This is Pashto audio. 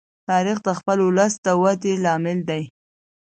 تاریخ د خپل ولس د وده لامل دی.